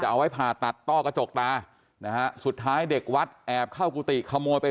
เอาไว้ผ่าตัดต้อกระจกตานะฮะสุดท้ายเด็กวัดแอบเข้ากุฏิขโมยไป